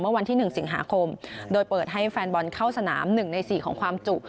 วันที่๑สิงหาคมโดยเปิดให้แฟนบอลเข้าสนาม๑ใน๔ของความจุ